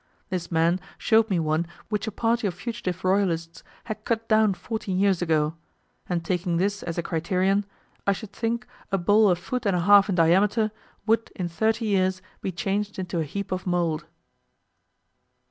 This man showed me one which a party of fugitive royalists had cut down fourteen years ago; and taking this as a criterion, I should think a bole a foot and a half in diameter would in thirty years be changed into a heap of mould.